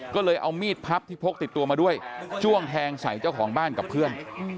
ก็เลยเอามีดพับที่พกติดตัวมาด้วยจ้วงแทงใส่เจ้าของบ้านกับเพื่อน